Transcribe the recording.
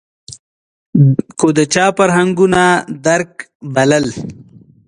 که چا فرهنګونو درک بلل